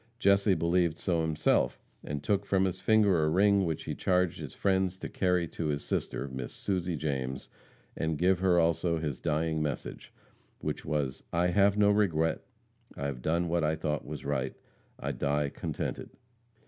Jesse believed so himself, and took from his finger a ring which he charged his friends to carry to his sister, Miss Susie James, and give her also his dying message, which was, "I have no regret. I've done what I thought was right. I die contented."